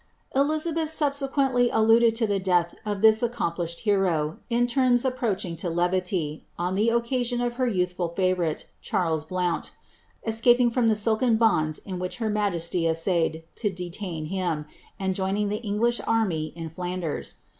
"' Elizabeth subscquendy alluded to (he death of this accomplished hero, in terms approaching to levily, on the occasion of her youthful fiivouriie, Charles Blouni, escaping from the silken bonds ia which her majesiy essayed to detain him, and joining the English army in Flanders.